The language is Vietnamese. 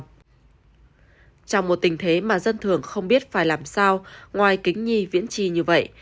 trong một tình thế mà dân thường không biết phải làm sao ngoài kính nhi viễn chi như vậy